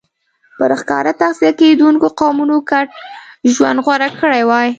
پر ښکار تغذیه کېدونکو قومونو ګډ ژوند غوره کړی وای.